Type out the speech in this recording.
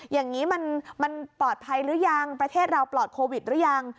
อย่างนี้มันปลอดภัยหรือยังประเทศเราปลอดโควิดหรือยัง